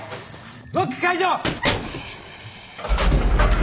ロック解除！